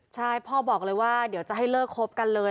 ใช่พ่อบอกเลยว่าเดี๋ยวจะให้เลิกคบกันเลย